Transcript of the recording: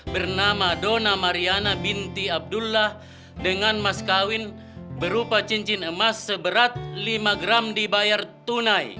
bernama dona mariana binti abdullah dengan mas kawin berupa cincin emas seberat lima gram dibayar tunai